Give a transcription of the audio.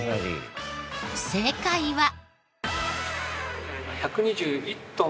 正解は。